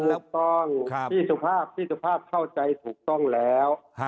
ถูกต้องพี่สุภาพเข้าใจถูกต้องแล้ว